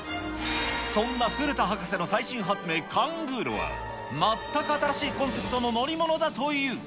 そんな古田博士の最新発明、カングーロは全く新しいコンセプトの乗り物だという。